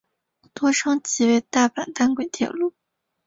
多称其为大阪单轨铁路。